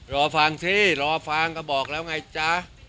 รอฟังสิรอฟังก็บอกแล้วไงจ๊ะ